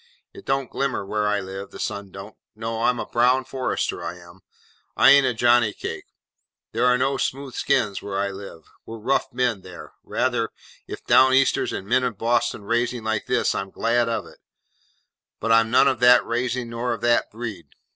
It don't glimmer where I live, the sun don't. No. I'm a brown forester, I am. I an't a Johnny Cake. There are no smooth skins where I live. We're rough men there. Rather. If Down Easters and men of Boston raising like this, I'm glad of it, but I'm none of that raising nor of that breed.